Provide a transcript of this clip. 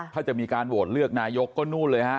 ถ้าจะมีการโหวตเลือกนายกก็นู่นเลยฮะ